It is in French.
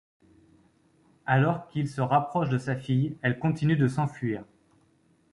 Alors qu'il se rapproche de sa fille, elle continue de s'enfuir.